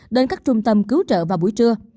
đến các trung tâm cứu trợ vào buổi trưa